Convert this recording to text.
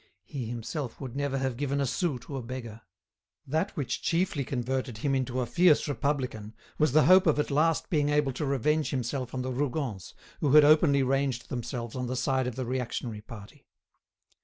He himself would never have given a sou to a beggar. That which chiefly converted him into a fierce Republican was the hope of at last being able to revenge himself on the Rougons, who had openly ranged themselves on the side of the reactionary party.